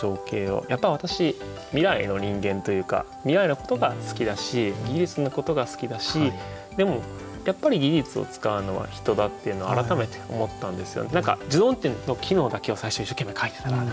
やっぱ私未来の人間というか未来のことが好きだし技術のことが好きだしでもやっぱり技術を使うのは人だっていうのは改めて思ったんですよ。